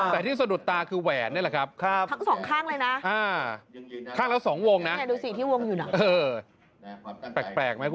มันไม่ได้ไปเคสไหร่ของตัวนี้